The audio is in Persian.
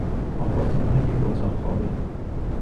آپارتمان یک اتاق خوابه